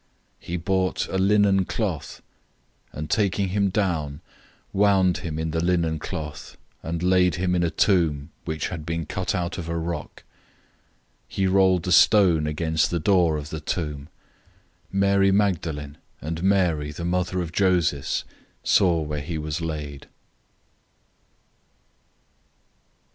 015:046 He bought a linen cloth, and taking him down, wound him in the linen cloth, and laid him in a tomb which had been cut out of a rock. He rolled a stone against the door of the tomb. 015:047 Mary Magdalene and Mary, the mother of Joses, saw where he was laid.